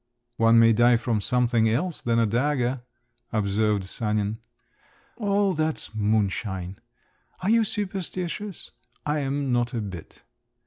"One may die from something else than a dagger," observed Sanin. "All that's moonshine! Are you superstitious? I'm not a bit.